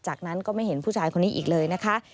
จากนั้นก็ไม่เห็นผู้ชายคนนี้อีกเลยนะคะ